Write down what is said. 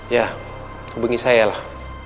ya hubungi saya lah